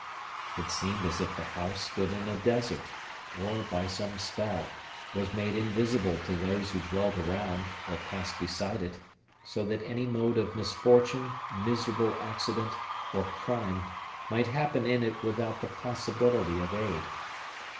It seemed as if the house stood in a desert, or, by some spell, was made invisible to those who dwelt around, or passed beside it; so that any mode of misfortune, miserable accident, or crime might happen in it without the possibility of aid.